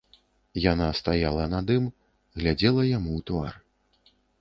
Яна стаяла над ім, глядзела яму ў твар.